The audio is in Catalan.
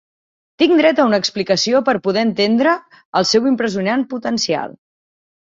Tinc dret a una explicació per poder entendre el seu impressionant potencial.